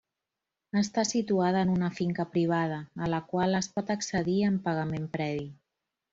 Està situada en una finca privada, a la qual es pot accedir amb pagament previ.